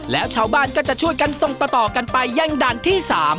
แล้วชาวบ้านก็จะช่วยกันส่งต่อกันไปแย่งด่านที่๓